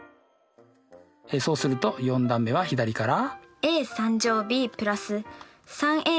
そうすると４段目は左から？